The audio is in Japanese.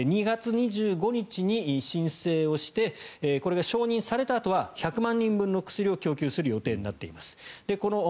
２月２５日に申請をしてこれが承認されたあとは１００万人分の薬を供給する予定になっています。